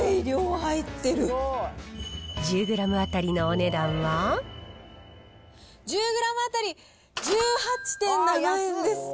１０グラム当たりのお値段は１０グラム当たり１８．７円です。